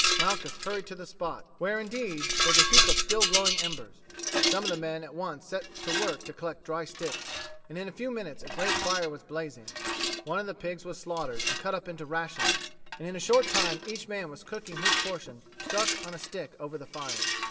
Malchus hurried to the spot, where, indeed, was a heap of still glowing embers. Some of the men at once set to work to collect dried sticks, and in a few minutes a great fire was blazing. One of the pigs was slaughtered and cut up into rations, and in a short time each man was cooking his portion stuck on a stick over the fire.